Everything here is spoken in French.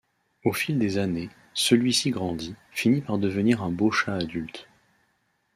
Au fil des années, celui-ci grandit, finit par devenir un beau chat adulte.